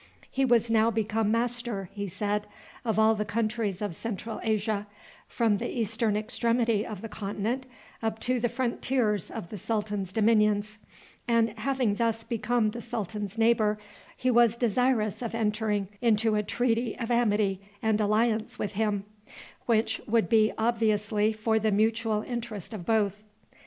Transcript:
He was now become master, he said, of all the countries of Central Asia, from the eastern extremity of the continent up to the frontiers of the sultan's dominions, and having thus become the sultan's neighbor, he was desirous of entering into a treaty of amity and alliance with him, which would be obviously for the mutual interest of both.